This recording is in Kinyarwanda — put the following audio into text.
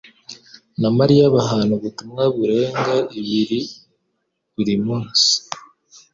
na Mariya bahana ubutumwa burenga ibiri buri munsi.